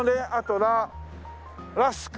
ラスク。